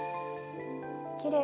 きれい。